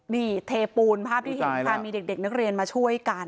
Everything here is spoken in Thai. นี่เทปูนภาพที่เห็นค่ะมีเด็กนักเรียนมาช่วยกัน